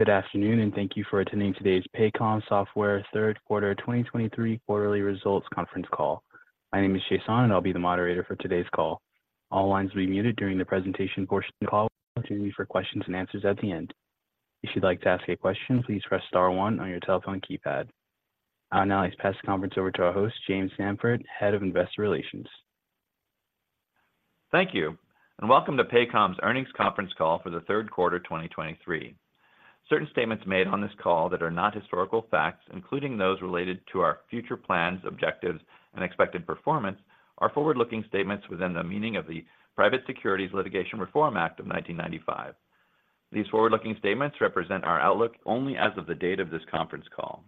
Good afternoon, and thank you for attending today's Paycom Software Third Quarter 2023 Quarterly Results Conference Call. My name is Jason, and I'll be the moderator for today's call. All lines will be muted during the presentation portion of the call. There will be an opportunity for questions and answers at the end. If you'd like to ask a question, please press star one on your telephone keypad. I'll now pass the conference over to our host, James Samford, Head of Investor Relations. Thank you, and welcome to Paycom's Earnings Conference Call for the third quarter, 2023. Certain statements made on this call that are not historical facts, including those related to our future plans, objectives, and expected performance, are forward-looking statements within the meaning of the Private Securities Litigation Reform Act of 1995. These forward-looking statements represent our outlook only as of the date of this conference call.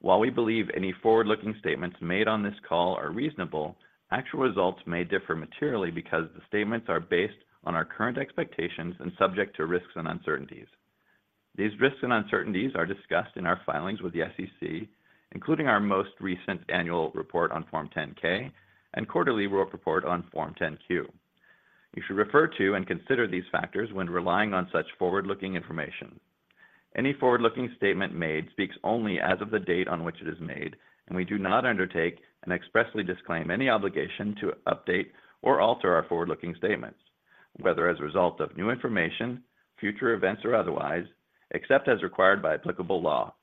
While we believe any forward-looking statements made on this call are reasonable, actual results may differ materially because the statements are based on our current expectations and subject to risks and uncertainties. These risks and uncertainties are discussed in our filings with the SEC, including our most recent annual report on Form 10-K and quarterly report on Form 10-Q. You should refer to and consider these factors when relying on such forward-looking information. Any forward-looking statement made speaks only as of the date on which it is made, and we do not undertake and expressly disclaim any obligation to update or alter our forward-looking statements, whether as a result of new information, future events, or otherwise, except as required by applicable law.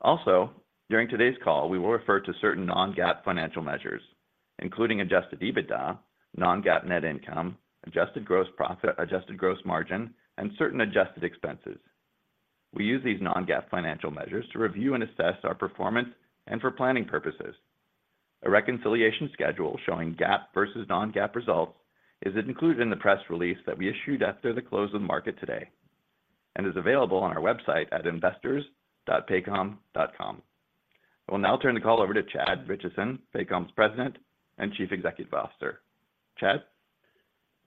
Also, during today's call, we will refer to certain non-GAAP financial measures, including Adjusted EBITDA, non-GAAP net income, adjusted gross profit, adjusted gross margin, and certain adjusted expenses. We use these non-GAAP financial measures to review and assess our performance and for planning purposes. A reconciliation schedule showing GAAP versus non-GAAP results is included in the press release that we issued after the close of the market today and is available on our website at investors.paycom.com. I will now turn the call over to Chad Richison, Paycom's President and Chief Executive Officer. Chad?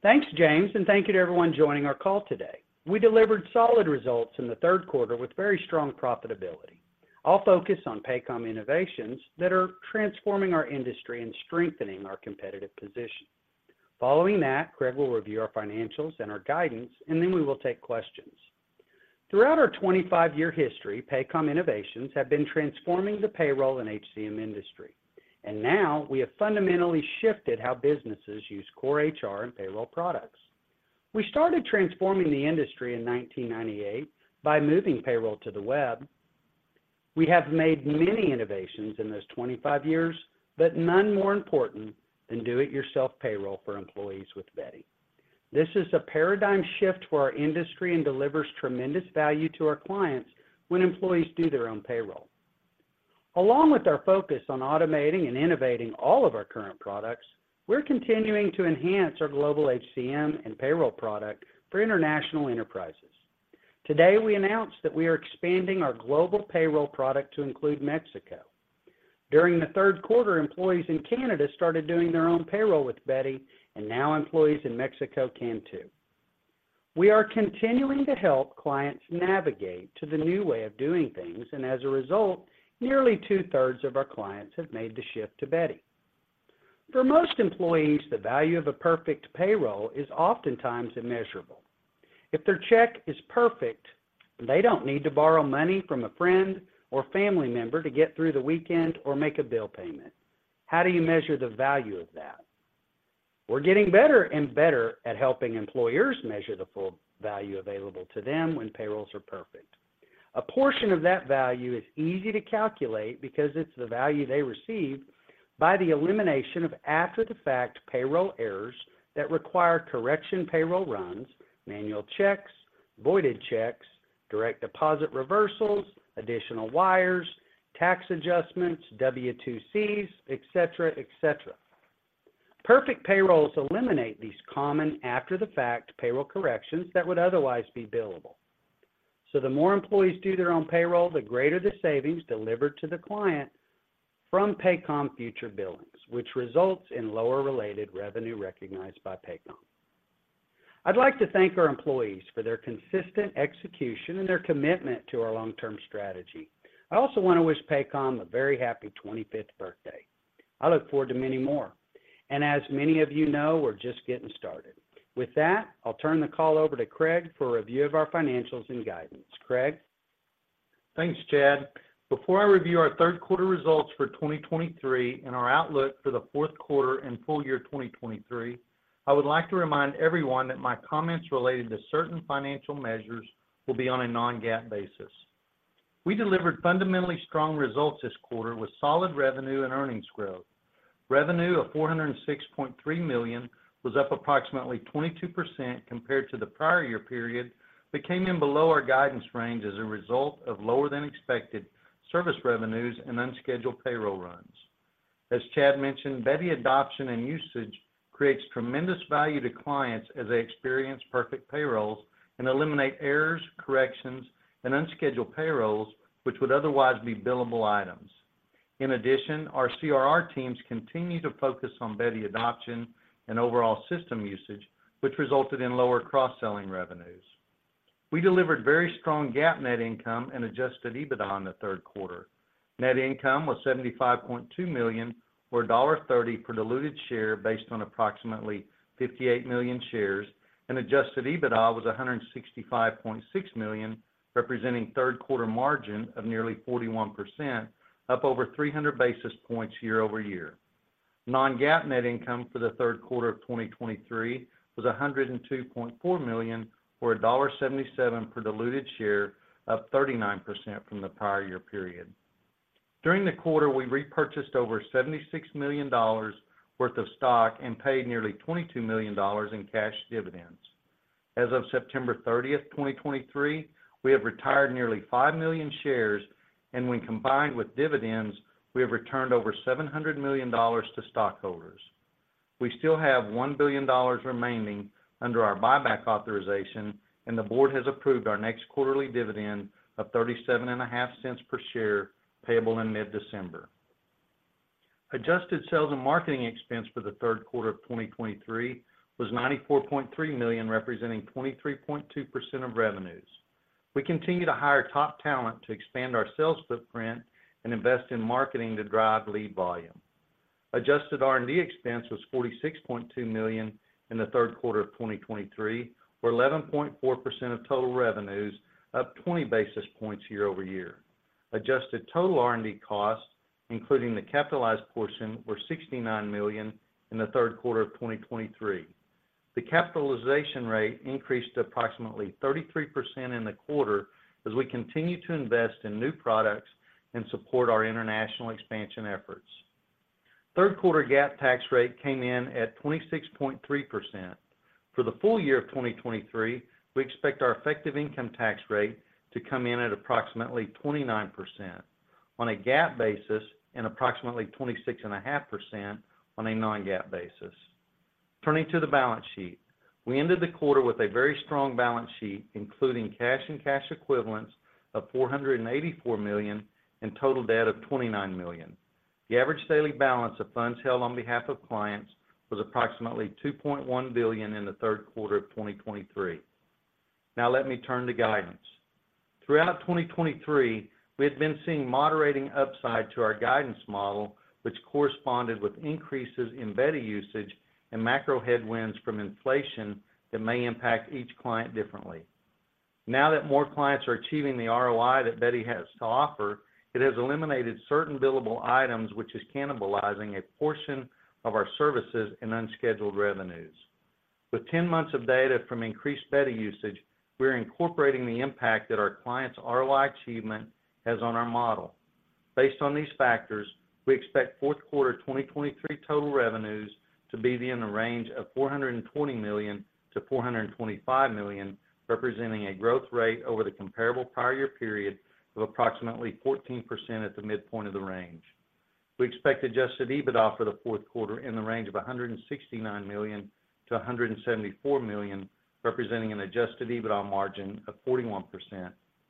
Thanks, James, and thank you to everyone joining our call today. We delivered solid results in the third quarter with very strong profitability. I'll focus on Paycom innovations that are transforming our industry and strengthening our competitive position. Following that, Craig will review our financials and our guidance, and then we will take questions. Throughout our 25-year history, Paycom innovations have been transforming the payroll and HCM industry, and now we have fundamentally shifted how businesses use core HR and payroll products. We started transforming the industry in 1998 by moving payroll to the web. We have made many innovations in those 25 years, but none more important than do-it-yourself payroll for employees with Beti. This is a paradigm shift for our industry and delivers tremendous value to our clients when employees do their own payroll. Along with our focus on automating and innovating all of our current products, we're continuing to enhance our global HCM and payroll product for international enterprises. Today, we announced that we are expanding our global payroll product to include Mexico. During the third quarter, employees in Canada started doing their own payroll with Beti, and now employees in Mexico can too. We are continuing to help clients navigate to the new way of doing things, and as a result, nearly two-thirds of our clients have made the shift to Beti. For most employees, the value of a perfect payroll is oftentimes immeasurable. If their check is perfect, they don't need to borrow money from a friend or family member to get through the weekend or make a bill payment. How do you measure the value of that? We're getting better and better at helping employers measure the full value available to them when payrolls are perfect. A portion of that value is easy to calculate because it's the value they receive by the elimination of after-the-fact payroll errors that require correction payroll runs, manual checks, voided checks, direct deposit reversals, additional wires, tax adjustments, W-2Cs, et cetera, et cetera. Perfect payrolls eliminate these common after-the-fact payroll corrections that would otherwise be billable. So the more employees do their own payroll, the greater the savings delivered to the client from Paycom future billings, which results in lower related revenue recognized by Paycom. I'd like to thank our employees for their consistent execution and their commitment to our long-term strategy. I also want to wish Paycom a very happy 25th birthday. I look forward to many more, and as many of you know, we're just getting started. With that, I'll turn the call over to Craig for a review of our financials and guidance. Craig? Thanks, Chad. Before I review our third quarter results for 2023 and our outlook for the fourth quarter and full year 2023, I would like to remind everyone that my comments related to certain financial measures will be on a non-GAAP basis. We delivered fundamentally strong results this quarter, with solid revenue and earnings growth. Revenue of $406.3 million was up approximately 22% compared to the prior year period but came in below our guidance range as a result of lower than expected service revenues and unscheduled payroll runs. As Chad mentioned, Beti adoption and usage creates tremendous value to clients as they experience perfect payrolls and eliminate errors, corrections, and unscheduled payrolls, which would otherwise be billable items. In addition, our CRR teams continue to focus on Beti adoption and overall system usage, which resulted in lower cross-selling revenues. We delivered very strong GAAP net income and adjusted EBITDA in the third quarter. Net income was $75.2 million, or $1.30 per diluted share based on approximately 58 million shares, and adjusted EBITDA was $165.6 million, representing third quarter margin of nearly 41%, up over 300 basis points year-over-year. Non-GAAP net income for the third quarter of 2023 was $102.4 million, or $1.77 per diluted share, up 39% from the prior year period. During the quarter, we repurchased over $76 million worth of stock and paid nearly $22 million in cash dividends. As of September 30, 2023, we have retired nearly 5 million shares, and when combined with dividends, we have returned over $700 million to stockholders. We still have $1 billion remaining under our buyback authorization, and the board has approved our next quarterly dividend of $0.375 per share, payable in mid-December. Adjusted sales and marketing expense for the third quarter of 2023 was $94.3 million, representing 23.2% of revenues. We continue to hire top talent to expand our sales footprint and invest in marketing to drive lead volume. Adjusted R&D expense was $46.2 million in the third quarter of 2023, or 11.4% of total revenues, up 20 basis points year over year. Adjusted total R&D costs, including the capitalized portion, were $69 million in the third quarter of 2023. The capitalization rate increased to approximately 33% in the quarter as we continue to invest in new products and support our international expansion efforts. Third quarter GAAP tax rate came in at 26.3%. For the full year of 2023, we expect our effective income tax rate to come in at approximately 29% on a GAAP basis and approximately 26.5% on a non-GAAP basis. Turning to the balance sheet. We ended the quarter with a very strong balance sheet, including cash and cash equivalents of $484 million and total debt of $29 million. The average daily balance of funds held on behalf of clients was approximately $2.1 billion in the third quarter of 2023. Now let me turn to guidance. Throughout 2023, we had been seeing moderating upside to our guidance model, which corresponded with increases in Beti usage and macro headwinds from inflation that may impact each client differently. Now that more clients are achieving the ROI that Beti has to offer, it has eliminated certain billable items, which is cannibalizing a portion of our services and unscheduled revenues. With 10 months of data from increased Beti usage, we're incorporating the impact that our clients' ROI achievement has on our model. Based on these factors, we expect fourth quarter 2023 total revenues to be in the range of $420 million-$425 million, representing a growth rate over the comparable prior year period of approximately 14% at the midpoint of the range. We expect adjusted EBITDA for the fourth quarter in the range of $169 million-$174 million, representing an adjusted EBITDA margin of 41%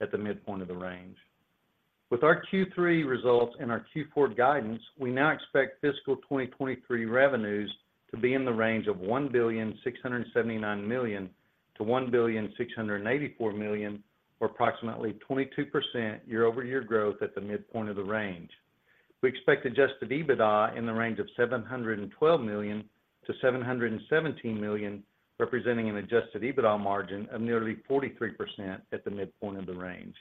at the midpoint of the range. With our Q3 results and our Q4 guidance, we now expect fiscal 2023 revenues to be in the range of $1,679 million-$1,684 million, or approximately 22% year-over-year growth at the midpoint of the range. We expect Adjusted EBITDA in the range of $712 million-$717 million, representing an Adjusted EBITDA margin of nearly 43% at the midpoint of the range.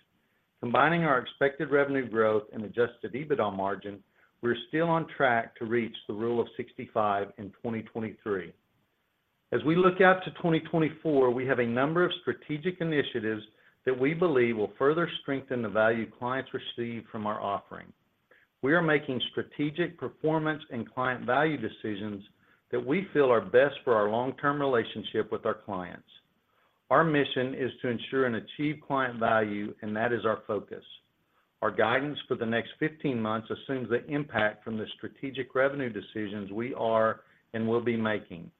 Combining our expected revenue growth and Adjusted EBITDA margin, we're still on track to reach the Rule of 65 in 2023. As we look out to 2024, we have a number of strategic initiatives that we believe will further strengthen the value clients receive from our offering. We are making strategic performance and client value decisions that we feel are best for our long-term relationship with our clients. Our mission is to ensure and achieve client value, and that is our focus. Our guidance for the next 15 months assumes the impact from the strategic revenue decisions we are and will be making.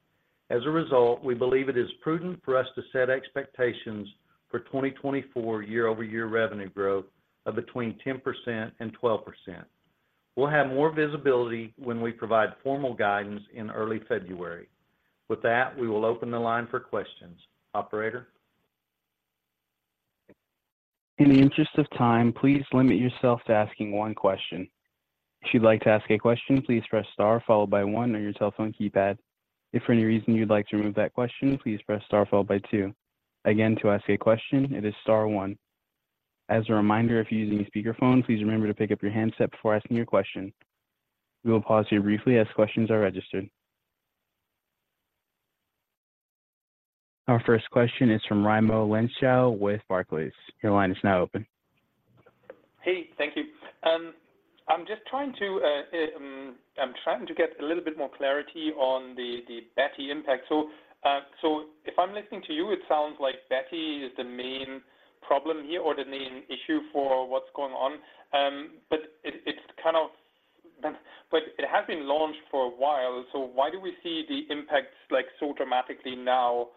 As a result, we believe it is prudent for us to set expectations for 2024 year-over-year revenue growth of between 10% and 12%. We'll have more visibility when we provide formal guidance in early February. With that, we will open the line for questions. Operator? In the interest of time, please limit yourself to asking one question. If you'd like to ask a question, please press star followed by one on your telephone keypad. If for any reason you'd like to remove that question, please press star followed by two. Again, to ask a question, it is star one. As a reminder, if you're using a speakerphone, please remember to pick up your handset before asking your question. We will pause here briefly as questions are registered. Our first question is from Raimo Lenschow with Barclays. Your line is now open. Hey, thank you. I'm just trying to get a little bit more clarity on the Beti impact. So, if I'm listening to you, it sounds like Beti is the main problem here or the main issue for what's going on. But it has been launched for a while, so why do we see the impacts like so dramatically now?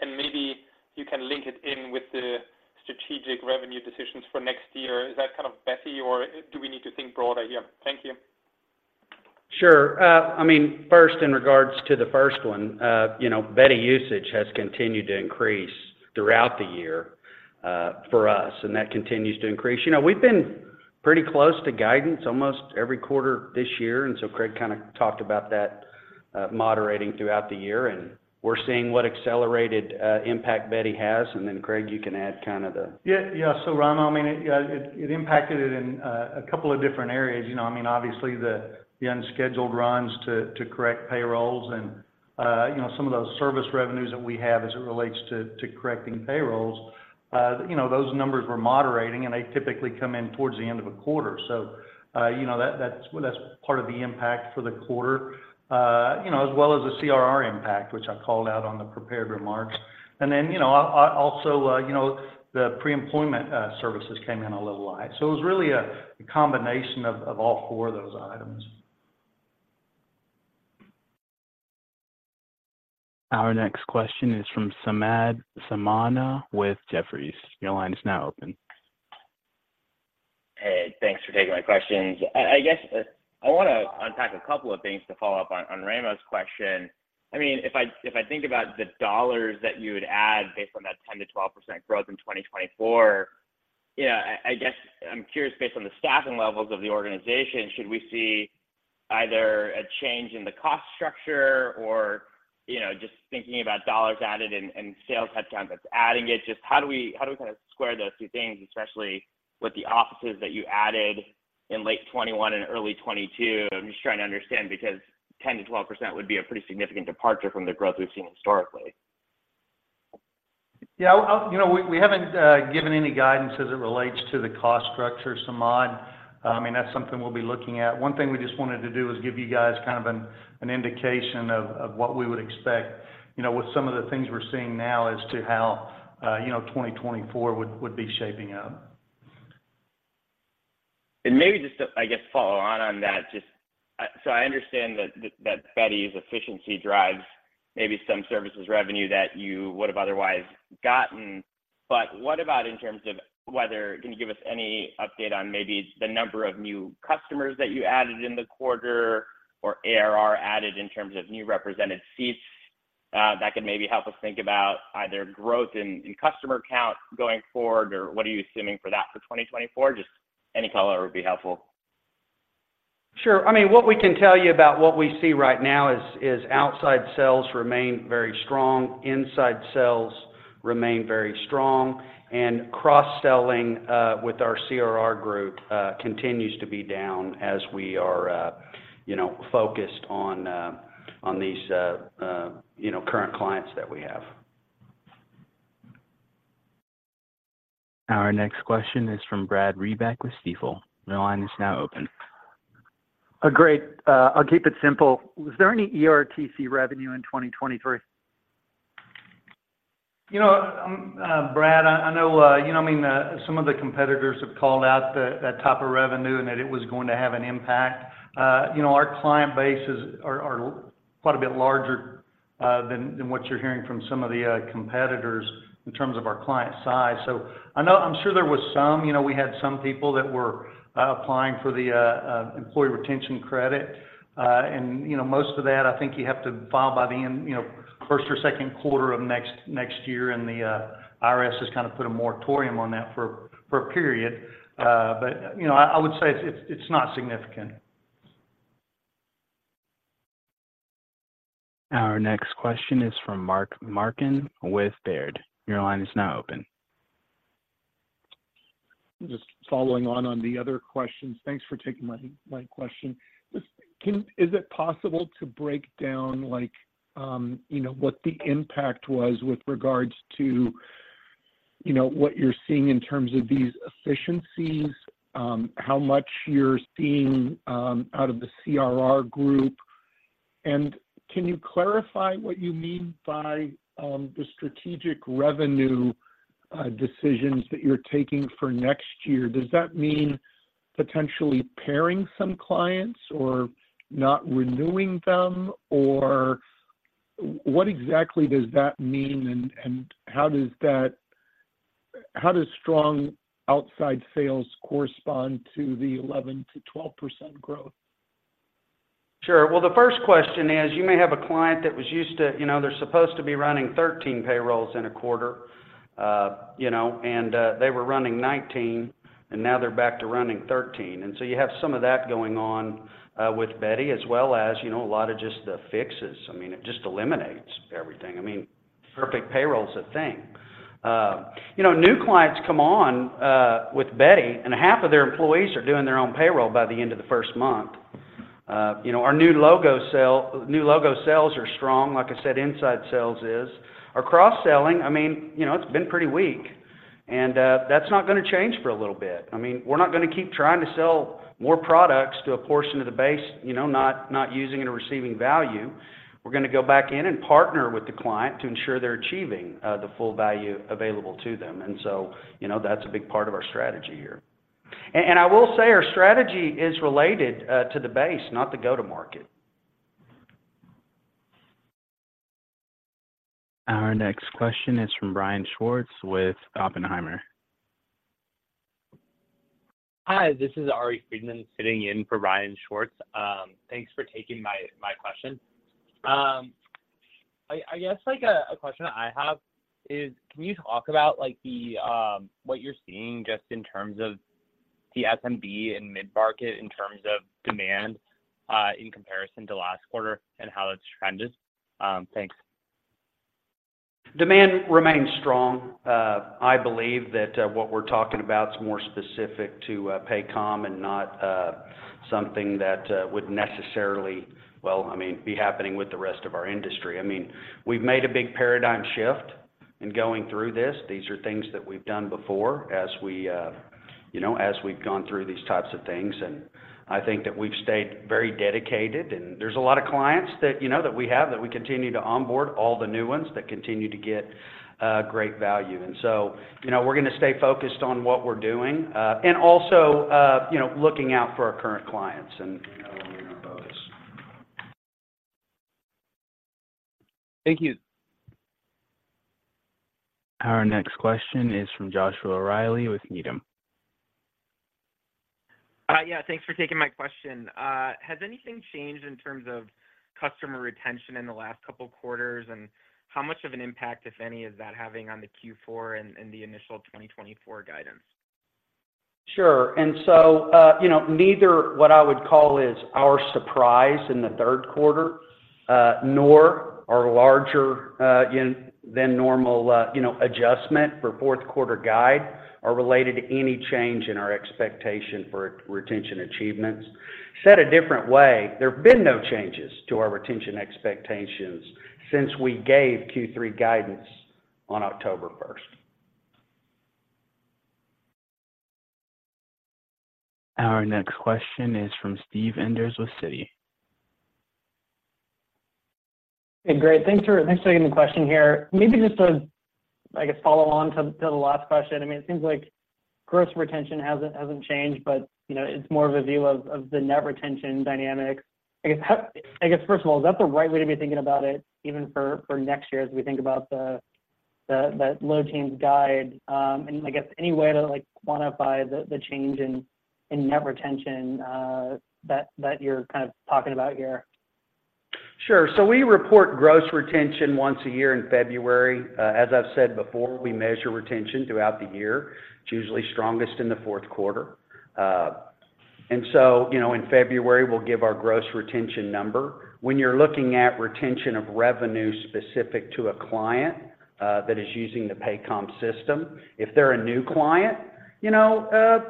And maybe you can link it in with the strategic revenue decisions for next year. Is that kind of Beti, or do we need to think broader here? Thank you.... Sure. I mean, first, in regards to the first one, you know, Beti usage has continued to increase throughout the year, for us, and that continues to increase. You know, we've been pretty close to guidance almost every quarter this year, and so Craig kind of talked about that, moderating throughout the year, and we're seeing what accelerated, impact Beti has. And then, Craig, you can add kind of the- Yeah. Yeah. So, Raimo, I mean, it impacted it in a couple of different areas. You know, I mean, obviously, the unscheduled runs to correct payrolls and you know, some of those service revenues that we have as it relates to correcting payrolls. You know, those numbers were moderating, and they typically come in towards the end of a quarter. So, you know, that's, well, that's part of the impact for the quarter, you know, as well as the CRR impact, which I called out on the prepared remarks. And then, you know, also, you know, the pre-employment services came in a little high. So it was really a combination of all four of those items. Our next question is from Samad Samana with Jefferies. Your line is now open. Hey, thanks for taking my questions. I guess, I wanna unpack a couple of things to follow up on, on Raimo's question. I mean, if I think about the dollars that you would add based on that 10%-12% growth in 2024, yeah, I guess I'm curious, based on the staffing levels of the organization, should we see either a change in the cost structure or, you know, just thinking about dollars added and sales headcount that's adding it, just how do we- how do we square those two things, especially with the offices that you added in late 2021 and early 2022? I'm just trying to understand, because 10%-12% would be a pretty significant departure from the growth we've seen historically. Yeah, you know, we haven't given any guidance as it relates to the cost structure, Samad. I mean, that's something we'll be looking at. One thing we just wanted to do is give you guys kind of an indication of what we would expect, you know, with some of the things we're seeing now as to how, you know, 2024 would be shaping up. Maybe just to, I guess, follow on that, just. So I understand that Beti's efficiency drives maybe some services revenue that you would have otherwise gotten. But what about in terms of whether—can you give us any update on maybe the number of new customers that you added in the quarter or ARR added in terms of new represented seats? That could maybe help us think about either growth in customer count going forward, or what are you assuming for that for 2024? Just any color would be helpful. Sure. I mean, what we can tell you about what we see right now is outside sales remain very strong, inside sales remain very strong, and cross-selling with our CRR group continues to be down as we are, you know, focused on these current clients that we have. Our next question is from Brad Reback with Stifel. Your line is now open. Great. I'll keep it simple. Was there any ERTC revenue in 2023? You know, Brad, I know, you know, I mean, some of the competitors have called out that type of revenue and that it was going to have an impact. You know, our client base are quite a bit larger than what you're hearing from some of the competitors in terms of our client size. So I know... I'm sure there was some. You know, we had some people that were applying for the Employee Retention Credit. And, you know, most of that, I think you have to file by the end, you know, first or second quarter of next year, and the IRS has kind of put a moratorium on that for a period. But, you know, I would say it's not significant. Our next question is from Mark Marcon with Baird. Your line is now open. Just following on the other questions. Thanks for taking my question. Just – Is it possible to break down like, you know, what the impact was with regards to, you know, what you're seeing in terms of these efficiencies, how much you're seeing out of the CRR group? And can you clarify what you mean by the strategic revenue decisions that you're taking for next year? Does that mean potentially paring some clients or not renewing them, or what exactly does that mean, and how does strong outside sales correspond to the 11%-12% growth? Sure. Well, the first question is, you may have a client that was used to... You know, they're supposed to be running 13 payrolls in a quarter, you know, and they were running 19, and now they're back to running 13. And so you have some of that going on with Beti, as well as, you know, a lot of just the fixes. I mean, it just eliminates everything. I mean, perfect payroll is a thing. You know, new clients come on with Beti, and half of their employees are doing their own payroll by the end of the first month. You know, our new logo sale - new logo sales are strong. Like I said, inside sales is. Our cross-selling, I mean, you know, it's been pretty weak, and that's not gonna change for a little bit. I mean, we're not gonna keep trying to sell more products to a portion of the base, you know, not using it or receiving value. We're gonna go back in and partner with the client to ensure they're achieving the full value available to them. And so, you know, that's a big part of our strategy here. And I will say our strategy is related to the base, not the go-to-market.... Our next question is from Brian Schwartz with Oppenheimer. Hi, this is Ari Friedman, sitting in for Brian Schwartz. Thanks for taking my question. I guess, like, a question I have is, can you talk about, like, the what you're seeing just in terms of the SMB and mid-market in terms of demand in comparison to last quarter and how it's trended? Thanks. Demand remains strong. I believe that, what we're talking about is more specific to, Paycom and not, something that, would necessarily, well, I mean, be happening with the rest of our industry. I mean, we've made a big paradigm shift in going through this. These are things that we've done before, as we, you know, as we've gone through these types of things, and I think that we've stayed very dedicated. And there's a lot of clients that, you know, that we have, that we continue to onboard, all the new ones, that continue to get, great value. And so, you know, we're gonna stay focused on what we're doing, and also, you know, looking out for our current clients, and, you know, both. Thank you. Our next question is from Joshua Reilly with Needham. Yeah, thanks for taking my question. Has anything changed in terms of customer retention in the last couple of quarters? And how much of an impact, if any, is that having on the Q4 and the initial 2024 guidance? Sure. And so, you know, neither what I would call is our surprise in the third quarter, nor our larger, than normal, you know, adjustment for fourth quarter guide, are related to any change in our expectation for retention achievements. Said a different way, there have been no changes to our retention expectations since we gave Q3 guidance on October first. Our next question is from Steve Enders with Citi. Hey, great. Thanks for taking the question here. Maybe just to, I guess, follow on to the last question. I mean, it seems like gross retention hasn't changed, but, you know, it's more of a view of the net retention dynamics. I guess, how—I guess, first of all, is that the right way to be thinking about it, even for next year, as we think about the low teens guide? And I guess, any way to, like, quantify the change in net retention that you're kind of talking about here? Sure. So we report gross retention once a year in February. As I've said before, we measure retention throughout the year. It's usually strongest in the fourth quarter. And so, you know, in February, we'll give our gross retention number. When you're looking at retention of revenue specific to a client, that is using the Paycom system, if they're a new client, you know,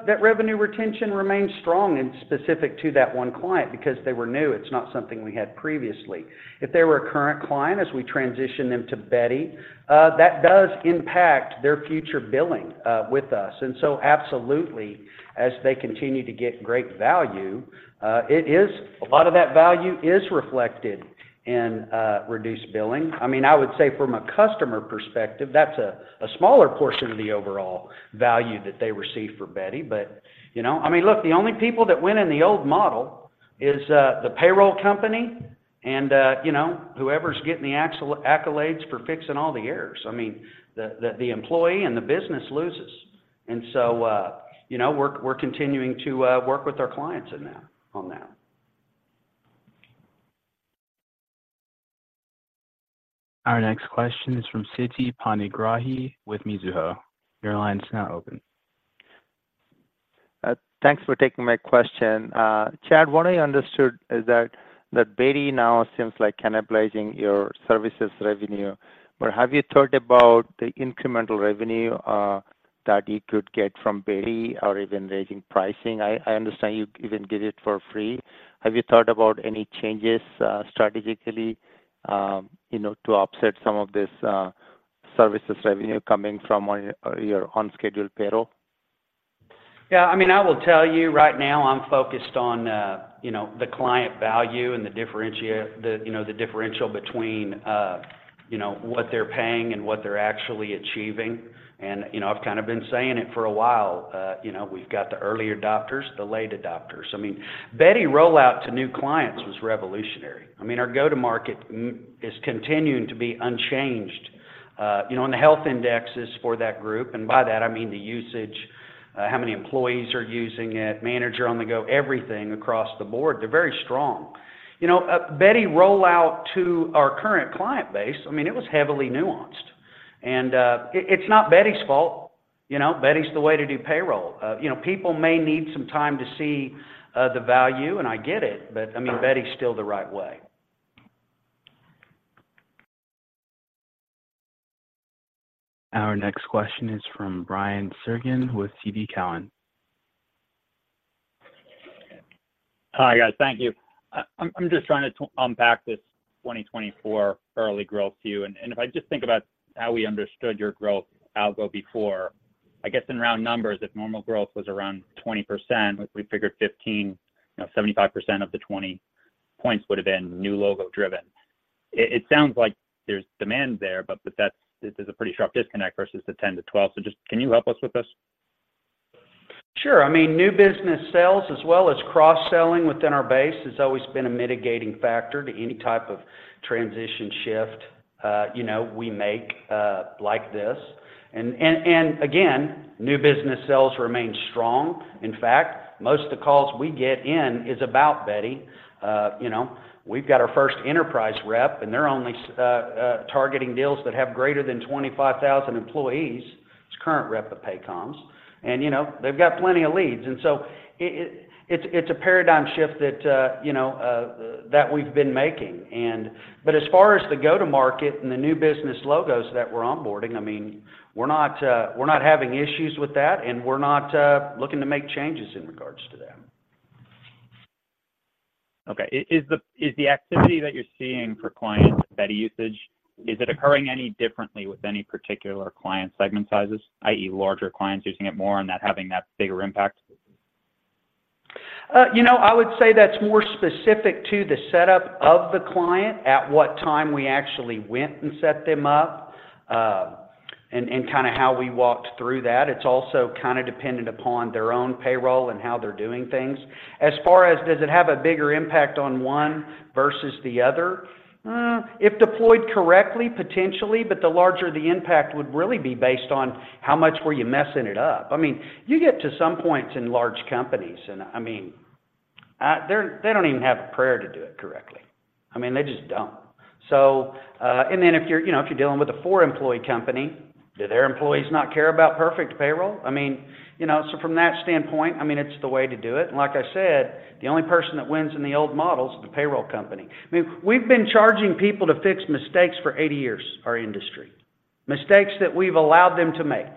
that revenue retention remains strong and specific to that one client because they were new. It's not something we had previously. If they were a current client, as we transition them to Beti, that does impact their future billing with us. And so absolutely, as they continue to get great value, it is a lot of that value is reflected in reduced billing. I mean, I would say from a customer perspective, that's a smaller portion of the overall value that they receive for Beti. But, you know... I mean, look, the only people that win in the old model is the payroll company and, you know, whoever's getting the accolades for fixing all the errors. I mean, the employee and the business loses. And so, you know, we're continuing to work with our clients on that. Our next question is from Siti Panigrahi with Mizuho. Your line is now open. Thanks for taking my question. Chad, what I understood is that Beti now seems like cannibalizing your services revenue. But have you thought about the incremental revenue that you could get from Beti or even raising pricing? I understand you even did it for free. Have you thought about any changes strategically, you know, to offset some of this services revenue coming from your on-schedule payroll? Yeah, I mean, I will tell you right now, I'm focused on, you know, the client value and the differential between, you know, what they're paying and what they're actually achieving. And, you know, I've kind of been saying it for a while, you know, we've got the early adopters, the late adopters. I mean, Beti rollout to new clients was revolutionary. I mean, our go-to-market is continuing to be unchanged, you know, and the health index is for that group. And by that, I mean the usage, how many employees are using it, Manager on-the-Go, everything across the board. They're very strong. You know, Beti rollout to our current client base, I mean, it was heavily nuanced. And, it's not Beti's fault, you know? Beti's the way to do payroll. You know, people may need some time to see the value, and I get it, but I mean, Beti's still the right way. Our next question is from Brian Bergin, with TD Cowen. Hi, guys. Thank you. I'm just trying to unpack this 2024 early growth to you. And if I just think about how we understood your growth algo before, I guess in round numbers, if normal growth was around 20%, which we figured 15%, you know, 75% of the 20 points would have been new logo driven. It sounds like there's demand there, but that's. There's a pretty sharp disconnect versus the 10%-12%. So, can you help us with this?... Sure. I mean, new business sales as well as cross-selling within our base has always been a mitigating factor to any type of transition shift, you know, we make, like this. And again, new business sales remain strong. In fact, most of the calls we get in is about Beti. You know, we've got our first enterprise rep, and they're only targeting deals that have greater than 25,000 employees. It's a current rep of Paycom's, and, you know, they've got plenty of leads. And so it's a paradigm shift that, you know, that we've been making, and... But as far as the go-to-market and the new business logos that we're onboarding, I mean, we're not having issues with that, and we're not looking to make changes in regards to them. Okay. Is the activity that you're seeing for client Beti usage, is it occurring any differently with any particular client segment sizes, i.e., larger clients using it more and that having that bigger impact? You know, I would say that's more specific to the setup of the client, at what time we actually went and set them up, and, and kinda how we walked through that. It's also kind of dependent upon their own payroll and how they're doing things. As far as does it have a bigger impact on one versus the other? If deployed correctly, potentially, but the larger the impact would really be based on how much were you messing it up. I mean, you get to some points in large companies, and, I mean, they, they don't even have a prayer to do it correctly. I mean, they just don't. So, and then if you're, you know, if you're dealing with a four-employee company, do their employees not care about perfect payroll? I mean, you know, so from that standpoint, I mean, it's the way to do it. And like I said, the only person that wins in the old model is the payroll company. I mean, we've been charging people to fix mistakes for 80 years, our industry, mistakes that we've allowed them to make,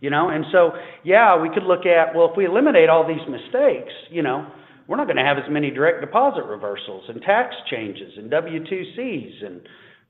you know? And so, yeah, we could look at, well, if we eliminate all these mistakes, you know, we're not going to have as many direct deposit reversals and tax changes, and W-2Cs, and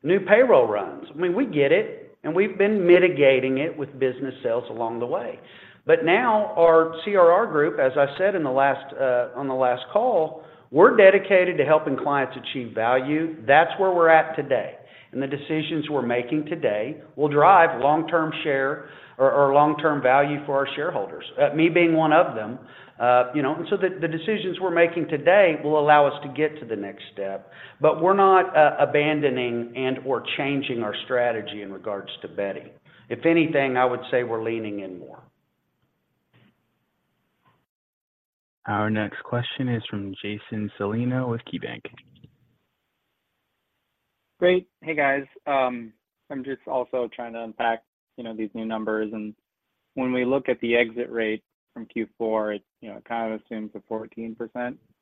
new payroll runs. I mean, we get it, and we've been mitigating it with business sales along the way. But now our CRR group, as I said in the last, on the last call, we're dedicated to helping clients achieve value. That's where we're at today, and the decisions we're making today will drive long-term share or, or long-term value for our shareholders, me being one of them. You know, and so the decisions we're making today will allow us to get to the next step, but we're not abandoning and/or changing our strategy in regards to Beti. If anything, I would say we're leaning in more. Our next question is from Jason Celino with KeyBanc. Great. Hey, guys. I'm just also trying to unpack, you know, these new numbers, and when we look at the exit rate from Q4, it, you know, it kind of assumes a 14%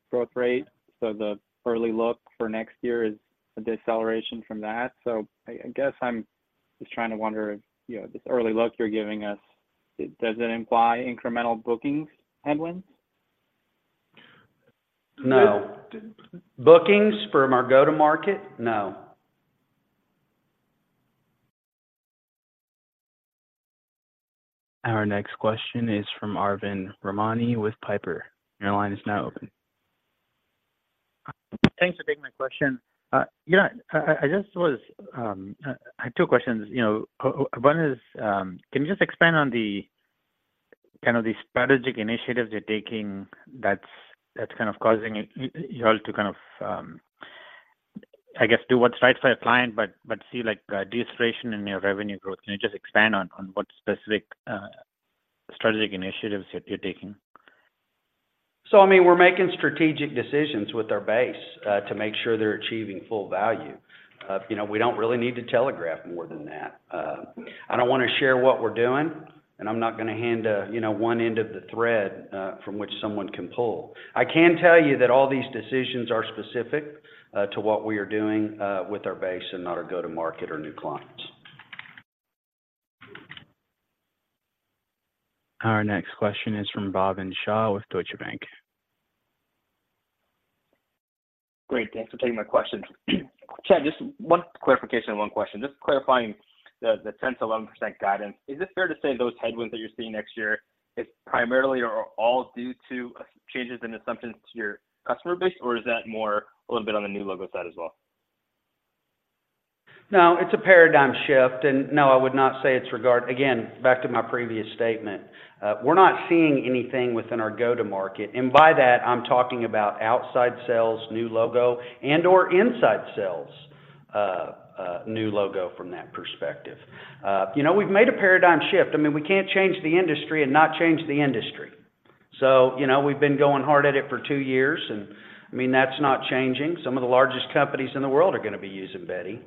growth rate. So the early look for next year is a deceleration from that. So I, I guess I'm just trying to wonder if, you know, this early look you're giving us, does it imply incremental bookings headwinds? No. Bookings from our go-to-market? No. Our next question is from Arvind Ramnani with Piper. Your line is now open. Thanks for taking my question. You know, I just was. I had two questions. You know, one is, can you just expand on the kind of the strategic initiatives you're taking that's kind of causing you all to kind of, I guess, do what's right for your client, but see like deceleration in your revenue growth? Can you just expand on what specific strategic initiatives you're taking? So, I mean, we're making strategic decisions with our base to make sure they're achieving full value. You know, we don't really need to telegraph more than that. I don't want to share what we're doing, and I'm not going to hand a, you know, one end of the thread from which someone can pull. I can tell you that all these decisions are specific to what we are doing with our base and not our go-to-market or new clients. Our next question is from Bhavin Shah with Deutsche Bank. Great. Thanks for taking my question. Chad, just one clarification and one question. Just clarifying the 10%-11% guidance. Is it fair to say those headwinds that you're seeing next year is primarily or all due to changes in assumptions to your customer base, or is that more a little bit on the new logo side as well? No, it's a paradigm shift, and no, I would not say. Again, back to my previous statement, we're not seeing anything within our go-to-market, and by that, I'm talking about outside sales, new logo, and/or inside sales, new logo from that perspective. You know, we've made a paradigm shift. I mean, we can't change the industry and not change the industry. So, you know, we've been going hard at it for two years, and, I mean, that's not changing. Some of the largest companies in the world are going to be using Beti.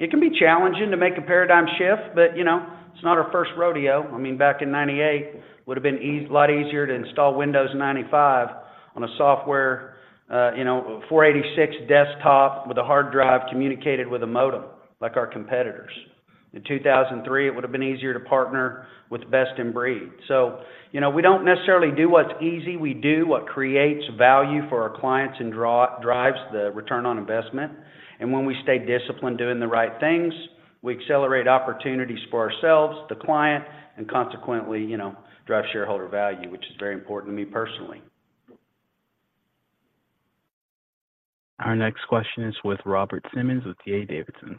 It can be challenging to make a paradigm shift, but, you know, it's not our first rodeo. I mean, back in 1998, it would have been a lot easier to install Windows 95 on a software, you know, 486 desktop with a hard drive communicated with a modem, like our competitors. In 2003, it would have been easier to partner with best in breed. So, you know, we don't necessarily do what's easy. We do what creates value for our clients and drives the return on investment. And when we stay disciplined doing the right things, we accelerate opportunities for ourselves, the client, and consequently, you know, drive shareholder value, which is very important to me personally. ... Our next question is with Robert Simmons with D.A. Davidson.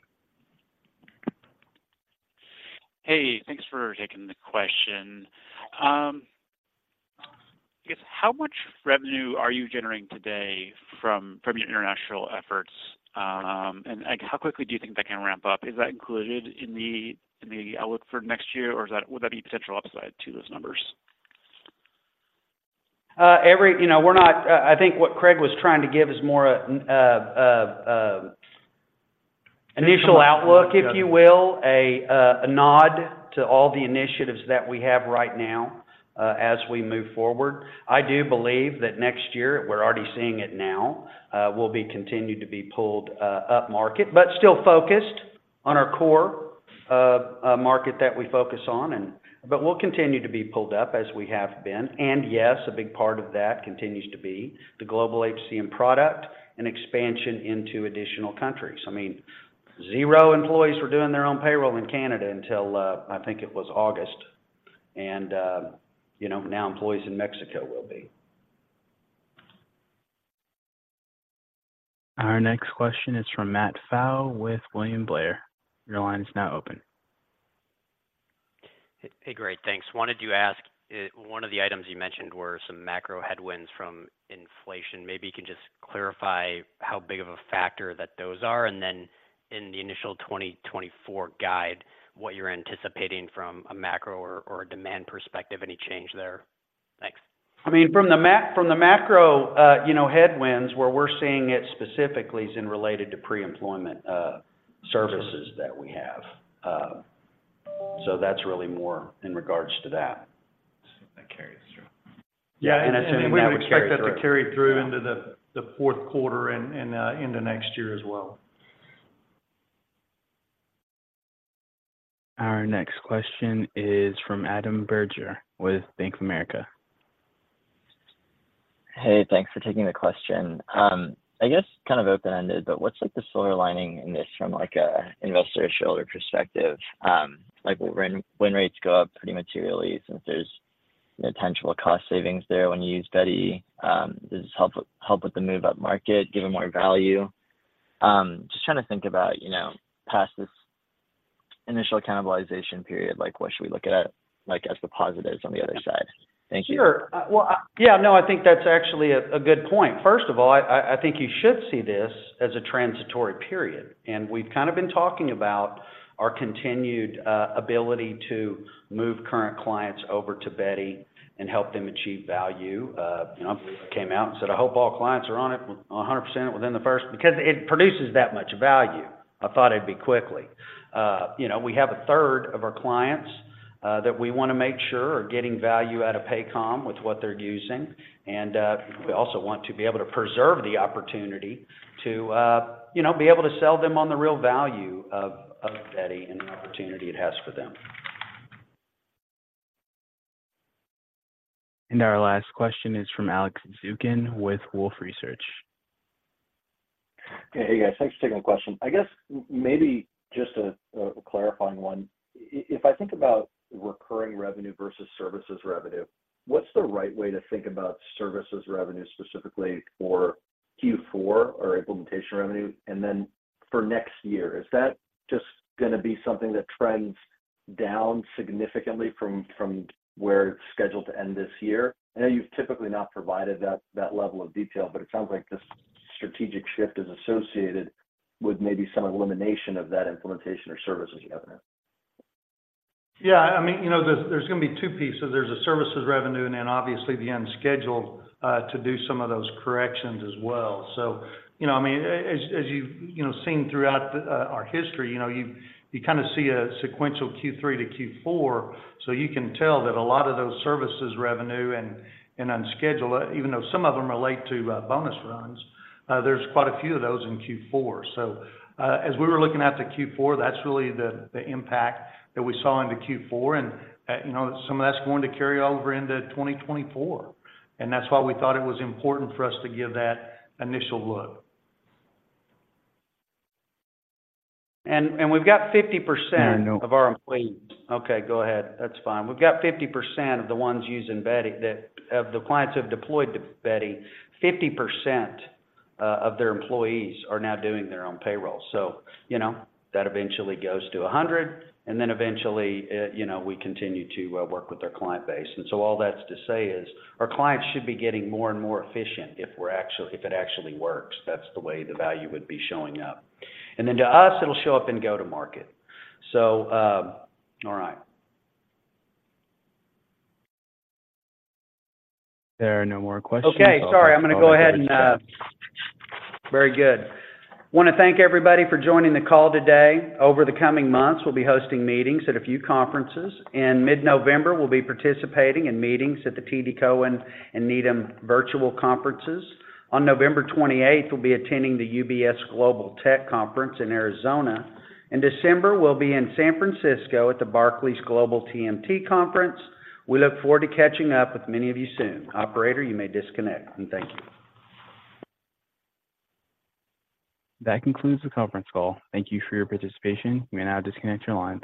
Hey, thanks for taking the question. I guess, how much revenue are you generating today from your international efforts? And, like, how quickly do you think that can ramp up? Is that included in the outlook for next year, or is that—would that be potential upside to those numbers? You know, I think what Craig was trying to give is more initial outlook, if you will, a nod to all the initiatives that we have right now as we move forward. I do believe that next year, we're already seeing it now, will be continued to be pulled upmarket, but still focused on our core market that we focus on. But we'll continue to be pulled up as we have been. Yes, a big part of that continues to be the global HCM product and expansion into additional countries. I mean, zero employees were doing their own payroll in Canada until, I think it was August, and you know, now employees in Mexico will be. Our next question is from Matt Pfau, with William Blair. Your line is now open. Hey, great. Thanks. Wanted to ask, one of the items you mentioned were some macro headwinds from inflation. Maybe you can just clarify how big of a factor that those are, and then in the initial 2024 guide, what you're anticipating from a macro or, or a demand perspective, any change there? Thanks. I mean, from the macro, you know, headwinds, where we're seeing it specifically is in relation to pre-employment services that we have. So that's really more in regards to that. So that carries through. Yeah. Assuming that would carry through. And we expect that to carry through into the fourth quarter and into next year as well. Our next question is from Adam Bergere with Bank of America. Hey, thanks for taking the question. I guess kind of open-ended, but what's, like, the silver lining in this from, like, a investor's shareholder perspective? Like, when win rates go up pretty materially, since there's potential cost savings there when you use Beti, does this help, help with the move up market, give them more value? Just trying to think about, you know, past this initial cannibalization period, like, what should we look at, like, as the positives on the other side? Thank you. Sure. Well, yeah, no, I think that's actually a good point. First of all, I think you should see this as a transitory period, and we've kind of been talking about our continued ability to move current clients over to Beti and help them achieve value. You know, I came out and said, "I hope all clients are on it 100% within the first..." Because it produces that much value. I thought it'd be quickly. You know, we have a third of our clients that we want to make sure are getting value out of Paycom with what they're using. And we also want to be able to preserve the opportunity to, you know, be able to sell them on the real value of Beti and the opportunity it has for them. Our last question is from Alex Zukin with Wolfe Research. Hey, guys. Thanks for taking the question. I guess maybe just a clarifying one. If I think about recurring revenue versus services revenue, what's the right way to think about services revenue, specifically for Q4 or implementation revenue? And then for next year, is that just gonna be something that trends down significantly from where it's scheduled to end this year? I know you've typically not provided that level of detail, but it sounds like this strategic shift is associated with maybe some elimination of that implementation or services revenue. Yeah, I mean, you know, there's, there's gonna be two pieces. There's a services revenue, and then obviously, the unscheduled, to do some of those corrections as well. So, you know, I mean, as, as you've, you know, seen throughout the, our history, you know, you, you kind of see a sequential Q3 to Q4, so you can tell that a lot of those services revenue and, and unscheduled, even though some of them relate to, bonus runs, there's quite a few of those in Q4. So, as we were looking at the Q4, that's really the, the impact that we saw in the Q4, and, you know, some of that's going to carry over into 2024. And that's why we thought it was important for us to give that initial look. We've got 50%- There are no-... of our employees. Okay, go ahead. That's fine. We've got 50% of the ones using Beti, that, of the clients who have deployed Beti, 50%, of their employees are now doing their own payroll. So, you know, that eventually goes to 100, and then eventually, you know, we continue to work with their client base. And so all that's to say is, our clients should be getting more and more efficient if we're actually—if it actually works. That's the way the value would be showing up. And then to us, it'll show up in go-to-market. So, all right. There are no more questions. Okay, sorry. I'm gonna go ahead and... Very good. Want to thank everybody for joining the call today. Over the coming months, we'll be hosting meetings at a few conferences. In mid-November, we'll be participating in meetings at the TD Cowen and Needham virtual conferences. On November 28th, we'll be attending the UBS Global Tech Conference in Arizona. In December, we'll be in San Francisco at the Barclays Global TMT Conference. We look forward to catching up with many of you soon. Operator, you may disconnect, and thank you. That concludes the conference call. Thank you for your participation. You may now disconnect your lines.